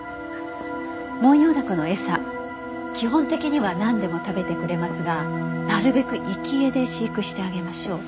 「モンヨウダコの餌」「基本的には何でも食べてくれますがなるべく生き餌で飼育してあげましょう」